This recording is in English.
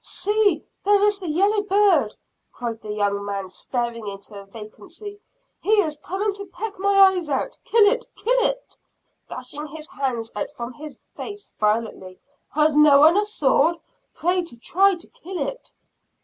"See, there is the yellow bird!" cried the young man, staring into vacancy. "He is coming to peck my eyes out! Kill it! kill it!" dashing his hands out from his face violently. "Has no one a sword pray do try to kill it!"